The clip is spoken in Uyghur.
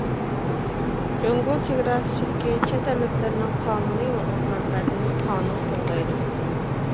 جۇڭگو چېگراسى ئىچىدىكى چەت ئەللىكلەرنىڭ قانۇنىي ھوقۇق-مەنپەئەتىنى قانۇن قوغدايدۇ.